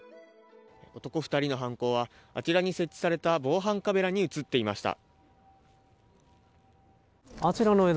男２人の犯行はあちらに設置された防犯カメラに映っていました。